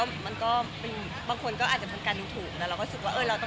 ใช่ค่ะอาจจะแพ้ทุกสูงอายุและเด็ก